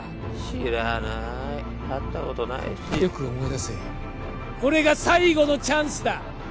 知らない会ったことないしよく思い出せこれが最後のチャンスだ